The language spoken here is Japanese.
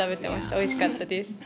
おいしかったです。